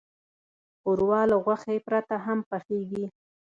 ښوروا له غوښې پرته هم پخیږي.